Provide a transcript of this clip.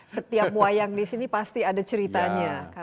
setiap wayang di sini pasti ada ceritanya